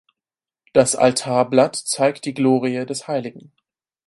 Das Altarblatt zeigt die Glorie des Hl.